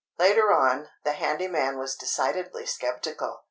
Later on, the handy man was decidedly sceptical.